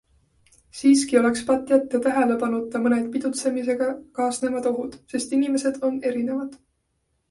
Siiski oleks patt jätta tähelepanuta mõned pidutsemisega kaasnevad ohud, sest inimesed on erinevad.